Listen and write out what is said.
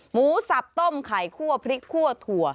สับต้มไข่คั่วพริกคั่วถั่ว